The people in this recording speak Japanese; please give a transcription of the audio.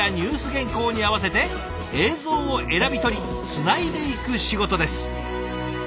原稿に合わせて映像を選び取りつないでいく仕事です。